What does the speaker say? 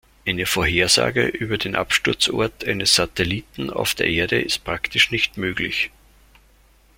Eine Vorhersage über den Absturzort eines Satelliten auf die Erde ist praktisch nicht möglich.